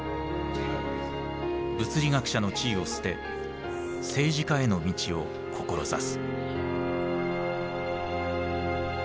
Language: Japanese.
物理学者の地位を捨て政治家への道を志す。